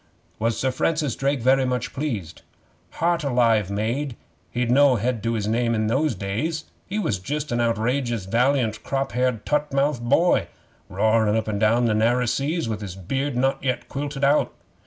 'Was Sir Francis Drake very much pleased?' 'Heart alive, maid, he'd no head to his name in those days. He was just a outrageous, valiant, crop haired, tutt mouthed boy, roarin' up an' down the narrer seas, with his beard not yet quilted out.